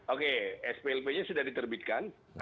oke splp nya sudah diterbitkan